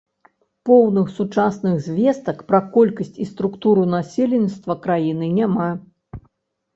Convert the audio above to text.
Поўных сучасных звестак пра колькасць і структуру насельніцтва краіны няма.